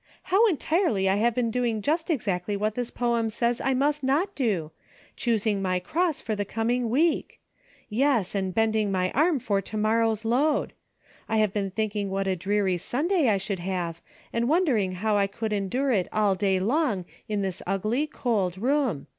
How entirely I have been doing just exactly what this poem says I must not do : choosing my cross for the coming week. Yes, and bending my arm for to morrow's load. I have been thinking what a dreary Sunday I should have, and wondering how I could endure it all day long in this ugly, cold room.